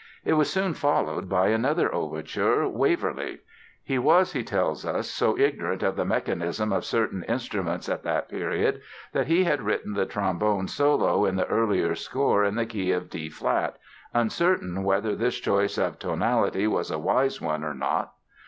It was soon followed by another overture, "Waverly". He was, he tells us, so ignorant of the mechanism of certain instruments at that period, that he had written the trombone solo in the earlier score in the key of D flat, uncertain whether this choice of tonality was a wise one or not.